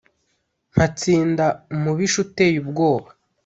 mpatsinda umubisha uteye ubwoba,